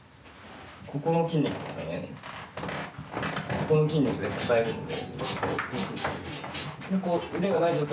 ここの筋肉で支えるので。